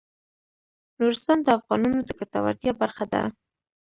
نورستان د افغانانو د ګټورتیا برخه ده.